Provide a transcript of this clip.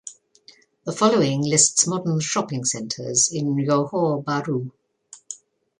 The following lists modern shopping centres in Johor Bahru.